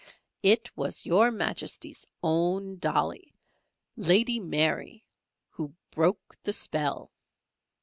"It was Your Majesty's own dolly, Lady Mary, who broke the spell!